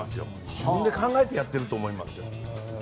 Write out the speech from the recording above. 自分で考えてやってると思います。